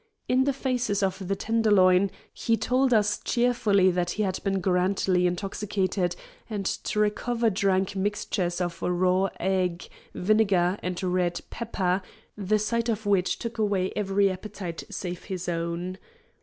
In the phrases of the Tenderloin, he told us cheerfully that he had been grandly intoxicated, and to recover drank mixtures of raw egg, vinegar, and red pepper, the sight of which took away every appetite save his own.